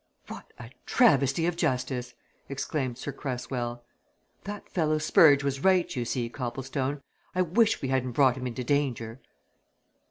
"What a travesty of justice!" exclaimed Sir Cresswell. "That fellow Spurge was right, you see, Copplestone. I wish we hadn't brought him into danger."